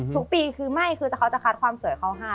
ทุกปีคือไม่ก็ควรจะคัดความสวยเข้าห้า